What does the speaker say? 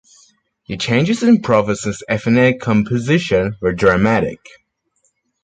The changes in the province's ethnic composition were dramatic.